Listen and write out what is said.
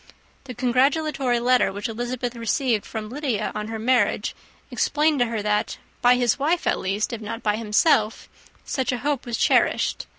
The congratulatory letter which Elizabeth received from Lydia on her marriage explained to her that, by his wife at least, if not by himself, such a hope was cherished.